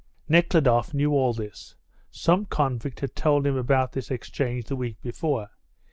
Nekhludoff knew all this. Some convict had told him about this exchange the week before.